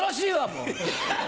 もう。